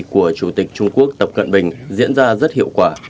của chủ tịch trung quốc tập cận bình diễn ra rất hiệu quả